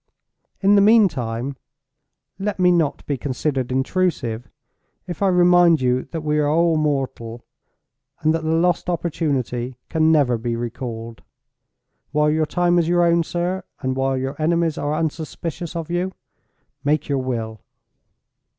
In the meantime, let me not be considered intrusive if I remind you that we are all mortal, and that the lost opportunity can never be recalled. While your time is your own, sir, and while your enemies are unsuspicious of you, make your will!"